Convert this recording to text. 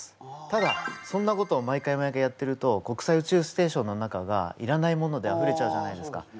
ただそんなことを毎回毎回やってると国際宇宙ステーションの中がいらないものであふれちゃうじゃないですか。